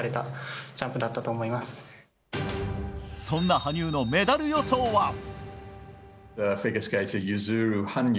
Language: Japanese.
そんな羽生のメダル予想は？